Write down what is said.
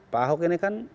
pak ahok ini kan